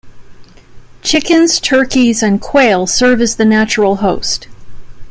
Chickens, turkeys, and quail serve as the natural host.